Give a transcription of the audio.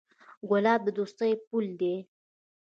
ګلاب د دوستۍ پُل دی.